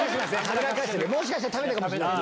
もしかしたら食べたかもしれない。